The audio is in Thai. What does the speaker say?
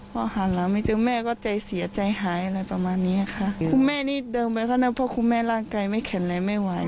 ขอหารหาไม่เจอแม่ก็ใจเสียใจหายอะไรประมาณแม่นี้เดินว่าถ้านั้นพวกคุณแม่ล่างกายไม่แข็งเลยไม่ไหว